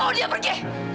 bawa dia pergi